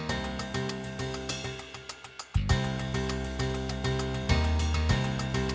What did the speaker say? kalau pemilik hp ini